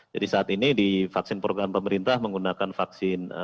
jadi saat ini di vaksin program pemerintah menggunakan vaksin